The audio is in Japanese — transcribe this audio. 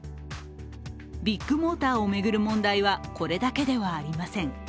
ビッグモーターを巡る問題はこれだけではありません。